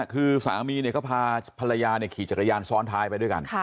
คือสามีก็พาภรรยาขี่จักรยานซ้อนท้ายไปด้วยกัน